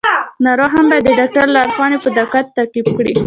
ناروغ هم باید د ډاکټر لارښوونې په دقت تعقیب کړي.